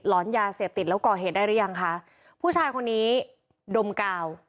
อนยาเสพติดแล้วก่อเหตุได้หรือยังคะผู้ชายคนนี้ดมกาว